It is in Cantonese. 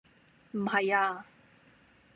唔係啊